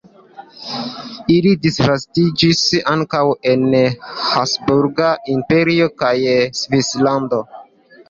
Ili disvastiĝis ankaŭ en Habsburga Imperio kaj Svislando.